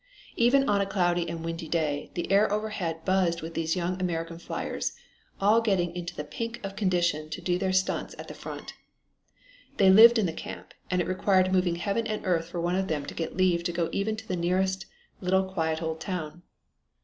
On even a cloudy and windy day the air overhead buzzed with these young American fliers, all getting into the pink of condition to do their stunts at the front. They lived in the camp, and it required moving heaven and earth for one of them to get leave to go even to the nearest little quiet old town.